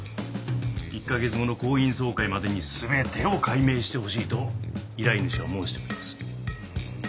１カ月後の行員総会までに全てを解明してほしいと依頼主は申しております。